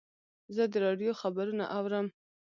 زه د راډیو خبرونه اورم.